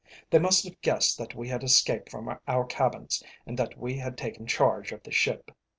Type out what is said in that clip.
They must have guessed that we had escaped from our cabins, and that we had taken charge of the ship.